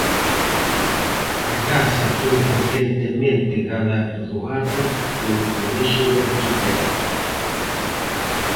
A casa foi recentemente galardoada polo colexio de arquitectos.